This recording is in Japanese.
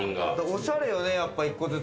おしゃれよね。